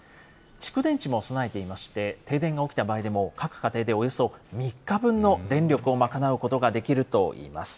蓄電池も備えていまして、停電が起きた場合でも、各家庭でおよそ３日分の電力を賄うことができるといいます。